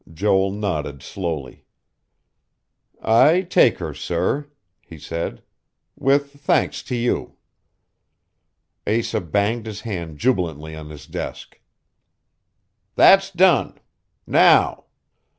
Joel nodded slowly. "I take her, sir," he said. "With thanks to you." Asa banged his hand jubilantly on his desk. "That's done. Now